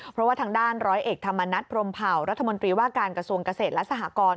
เพราะว่าทางด้านร้อยเอกธรรมนัฐพรมเผารัฐมนตรีว่าการกระทรวงเกษตรและสหกร